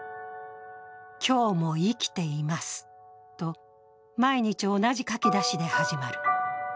「今日も生きています」と毎日、同じ書きだしで始まる。